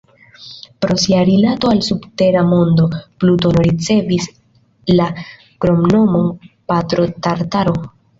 Pro sia rilato al subtera mondo, Plutono ricevis la kromnomon "Patro Tartaro".